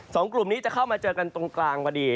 สองกลุ่มนี้จะเข้ามาเจอกันตรงกลางพอดี